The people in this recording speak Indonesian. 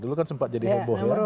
dulu kan sempat jadi heboh ya